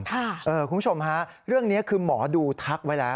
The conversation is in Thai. คุณผู้ชมฮะเรื่องนี้คือหมอดูทักไว้แล้ว